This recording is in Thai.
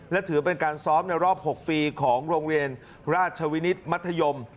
และถือเป็นการซ้อมในรอบ๖ปีของโรงเรียนราชวินิตมัธยม